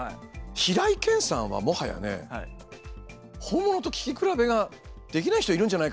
平井堅さんはもはやね本物と聞き比べができない人いるんじゃないかなっていうぐらい。